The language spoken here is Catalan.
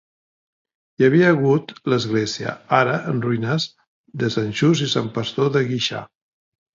Hi havia hagut l'església, ara en ruïnes, de Sant Just i Sant Pastor de Guixà.